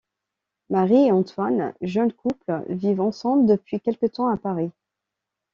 Marie et Antoine, jeune couple, vivent ensemble depuis quelque temps à Paris.